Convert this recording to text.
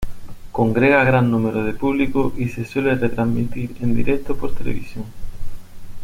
Congrega gran número de público y se suele retransmitir en directo por televisión.